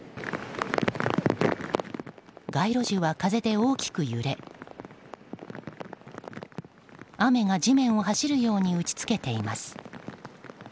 街路樹は風で大きく揺れ雨が地面を走るように打ち付けています。